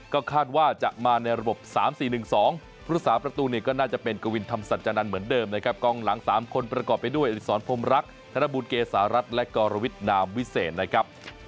ก็คาดว่าจะมาในระบบ๓๔๑๒พุทธศาสประตูเนี่ยก็น่าจะเป็นกวินธรรมสัจจานันทร์เหมือนเดิมนะครับกองหลัง๓คนประกอบไปด้วยอดิษรพรมรักธนบุญเกษารัฐและกรวิทนามวิเศษนะครับ